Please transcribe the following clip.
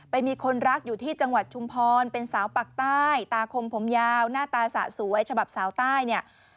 มีคนรักอยู่ที่จังหวัดชุมพรเป็นสาวปากใต้ตาคมผมยาวหน้าตาสะสวยฉบับสาวใต้เนี่ย